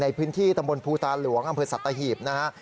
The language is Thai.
ในพื้นที่ตำบลภูตาหลวงอำเภอสัตหีบนะฮะ